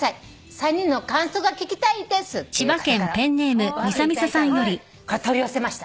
「３人の感想が聞きたいです」っていう方からおはがき頂いたのでこれ取り寄せました。